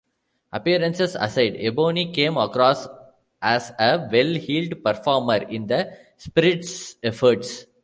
Appearances aside, Ebony came across as a well-heeled performer in the Spirit's efforts.